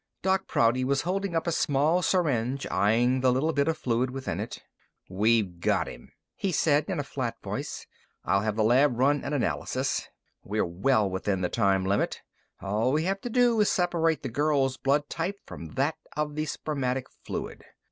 Doc Prouty was holding up a small syringe, eying the little bit of fluid within it. "We've got him," he said in a flat voice. "I'll have the lab run an analysis. We're well within the time limit. All we have to do is separate the girl's blood type from that of the spermatic fluid.